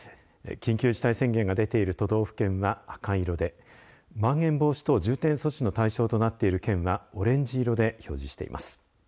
緊急事態宣言が出ている都道府県は赤色でまん延防止等重点措置の対象となっている県はオレンジ色で表示しています。